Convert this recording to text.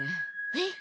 えっ？